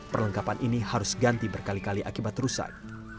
perlengkapan ini harus ganti berkali kali akibat rusak